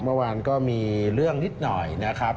เมื่อวานก็มีเรื่องนิดหน่อยนะครับ